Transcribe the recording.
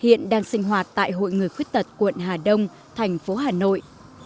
hiện đang sinh hoạt tại hội người khuyết tật quận hà đông thành phố hà nội